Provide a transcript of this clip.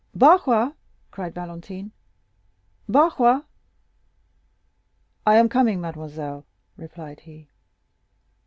"Barrois," cried Valentine, "Barrois!" "I am coming, mademoiselle," replied he.